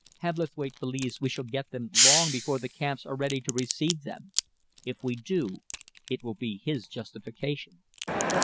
Hebblethwaite believes we shall get them long before the camps are ready to receive them. If we do, it will be his justification."